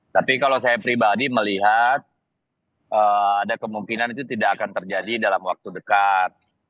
tapi kalau saya pribadi melihat ada kemungkinan itu tidak akan terjadi dalam waktu dekat